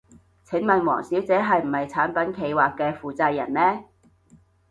請問王小姐係唔係產品企劃嘅負責人呢？